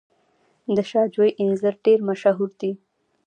د شاه جوی انځر ډیر مشهور دي.